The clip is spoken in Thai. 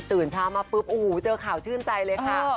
เช้ามาปุ๊บโอ้โหเจอข่าวชื่นใจเลยค่ะ